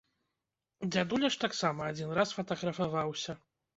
Дзядуля ж таксама адзін раз фатаграфаваўся!